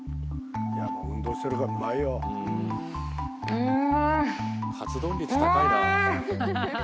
うん。